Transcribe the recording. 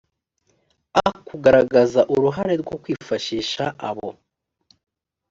a kugaragaza uruhare rwo kwifashisha abo